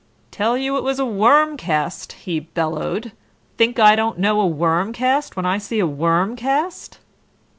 "Tell you it was a worm cast," he bellowed. "Think I don't know a worm cast when I see a worm cast?"